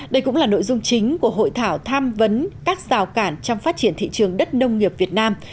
đây cũng là nội dung chính của hội thảo tham vấn các rào cản trong phát triển thị trường đất nông nghiệp việt nam